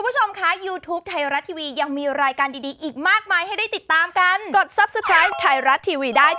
อย่าไม่พลาดชมรายการดีอีกต่อไป